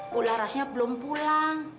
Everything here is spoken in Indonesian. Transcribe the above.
bularasnya belum pulang